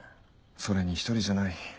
それに１人じゃない。